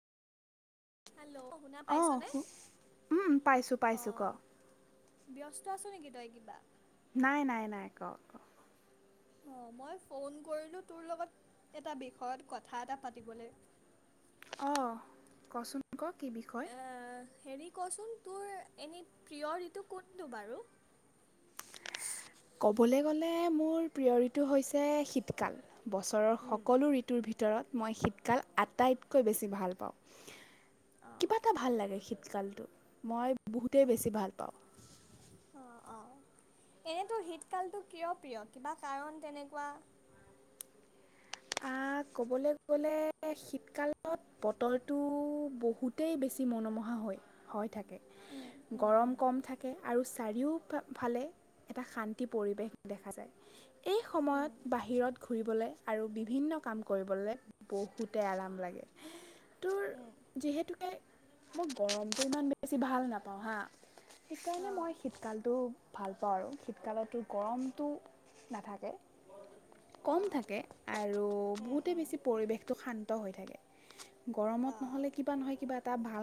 Hello শুনা অম পাইছনে? পাইছোঁ পাইছোঁ ক। অঁ ব্যস্ত আছ নেকি তই কিবা। নাই নাই নাই ক ক। অ মই ফোন কৰিলো তোৰ লগত এটা বিষয়ত কথা এটা পাতিবলৈ। অ কচোন। ক কি বিষয়। হেৰি কচোন তোৰ এনে প্ৰিয় ঋতু কোনটো বাৰু। ক'লে গ'লে মোৰ প্ৰিয় ঋতু হৈছে শীতকাল। বছৰৰ উম। সকলো ঋতুৰ ভিতৰত। ভিতৰত মই শীতকাল আটাইতকৈ বেছি ভাল পাওঁ। অঁ কিবা এটা ভাল লাগে শীত। আজি কালিটো মই বহুতেই বেছি ভাল পাওঁ। অ অ এনেতো শীতকালটো কিয় প্ৰিয় কিবা কাৰণ তেনেকুৱা। ক'বলৈ গ'লে শীতকালত বতৰটো বহুতেই বেছি মনোমোহা হৈ হৈ থাকে উম উম গৰম উম কম থাকে আৰু চাৰিও ফালে এটা শান্তি পৰিৱেশ দেখা যায়। এই সময়ত উম বাহিৰত ঘূৰিবলৈ। আৰু বি। ভিন্ন কাম কৰিবলে বহুতে আৰাম লাগে। তোৰ উম যিহেতুকে মই গৰমটো ইমান বেছি ভাল নাপাওঁ হা। সেইকাৰণে অঁ মই শীতকালটো,। ভাল পাওঁ আৰু শীতকালতো গৰমটো নাথাকে। কম অঁ থাকে। আৰু উম বহুতে উম বেছি পৰিৱেশটো শান্ত হৈ থাকে। গৰমত অঁ নহ'লে কিবা নহয় কিবা এটা,